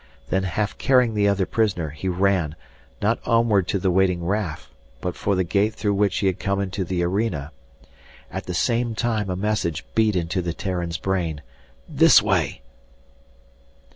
Then half carrying the other prisoner, he ran, not onward to the waiting Raf, but for the gate through which he had come into the arena. At the same time a message beat into the Terran's brain "This way!"